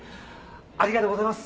ありがとうございます